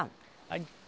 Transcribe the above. はい。